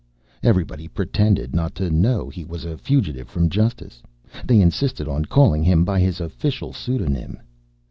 Everybody pretended not to know he was a fugitive from justice. They insisted on calling him by his official pseudonym.